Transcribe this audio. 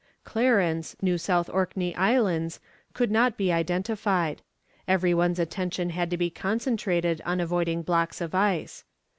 Clarence, New South Orkney Islands, could not be identified. Every one's attention had to be concentrated on avoiding blocks of ice.